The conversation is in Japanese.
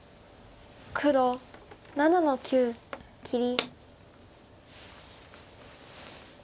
黒７の九切り。